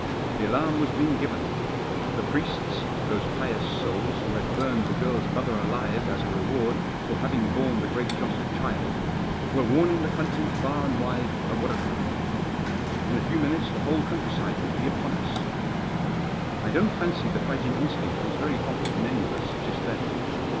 The alarm was being given. The priests — those pious souls who had burned the girrs mother alive as a reward for having borne the Great Joss a child!— were Warning the country far and wide of what had happened. In a few minutes the whole countryside would be upon us. 17* 260 THE JOSS. I don't fancy the fighting instinct was very hot in any of us just then.